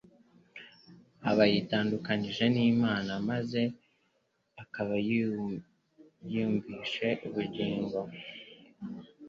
aba yitandukanije n'Imana maze akaba yivmkije ubugingo.